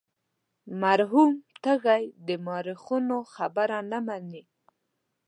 مرحوم تږی د مورخینو خبره نه مني.